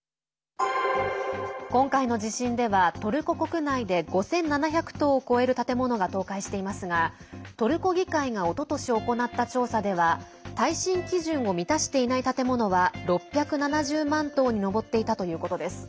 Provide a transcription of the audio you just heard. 今回の地震では、トルコ国内で５７００棟を超える建物が倒壊していますがトルコ議会がおととし行った調査では耐震基準を満たしていない建物は６７０万棟に上っていたということです。